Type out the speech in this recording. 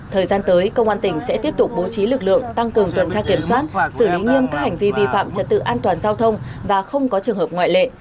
thời gian tới công an tỉnh sẽ tiếp tục bố trí lực lượng tăng cường tuần tra kiểm soát xử lý nghiêm các hành vi vi phạm trật tự an toàn giao thông và không có trường hợp ngoại lệ